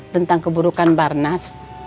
tentang keburukan barnas